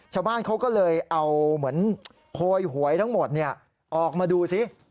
ชาวบ้านเขาก็เลยเอาเหมือนโพยหวยทั้งหมดออกมาดูสิ